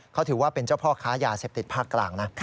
เขาถือว่าเป็นเจ้าพ่อค้ายาเสพติดภาคกลางนะ